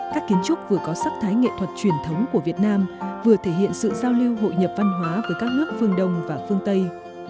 các kiến trúc vừa có sắc thái nghệ thuật truyền thống của việt nam vừa thể hiện sự giao lưu hội nhập văn hóa với các nước phương đông và phương tây